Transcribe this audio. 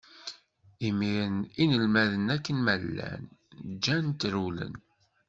Imiren inelmaden, akken ma llan, ǧǧan-t, rewlen.